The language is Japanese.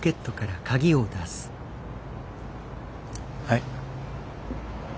はい。